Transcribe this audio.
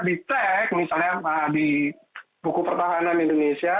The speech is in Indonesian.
misalnya di cek misalnya di buku pertahanan indonesia